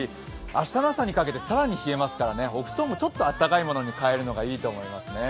明日の朝にかけて更に冷えますからねお布団もちょっと温かいものにかえるのがよさそうですね。